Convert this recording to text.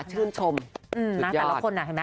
ชื่นชมสุดยอด